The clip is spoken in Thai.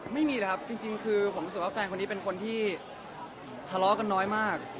ไม่มีนะครับจริงคือผมรู้สึกว่าแฟนคนนี้เป็นคนที่ทะเลาะกันน้อยมาก